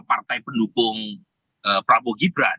partai pendukung prabowo gibran